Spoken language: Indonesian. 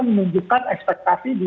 menunjukkan ekspektasi di tiga enam